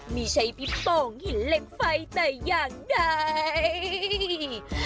ไม่ใช่พี่โป่งหินเหล็กไฟแต่อย่างใด